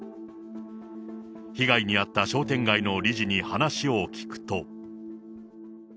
被害に遭った商店街の理事に話を聞くと。